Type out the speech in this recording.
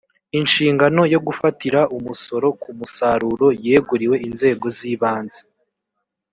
inshingano yo gufatira umusoro ku musaruro yyeguriwe inzego zibanze